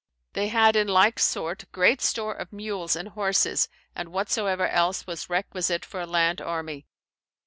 They had in like sort great store of mules and horses, and whatsoever else was requisite for a land armie.